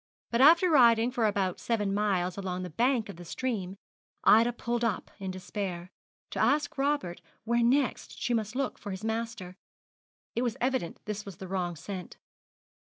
But after riding for about seven miles along the bank of the stream, Ida pulled up in despair, to ask Robert where next she must look for his master. It was evident this was the wrong scent.